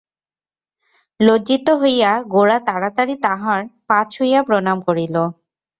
লজ্জিত হইয়া গোরা তাড়াতাড়ি তাঁহার পা ছুঁইয়া প্রণাম করিল।